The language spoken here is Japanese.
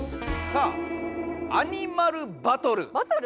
アニマルバトル。